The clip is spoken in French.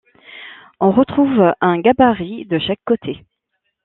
On retrouve un gabarit de chaque côté.